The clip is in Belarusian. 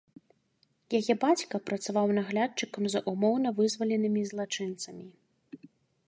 Яе бацька працаваў наглядчыкам за ўмоўна вызваленымі злачынцамі.